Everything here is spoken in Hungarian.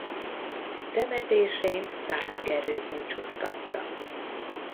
Temetésén Szász Gerő búcsúztatta.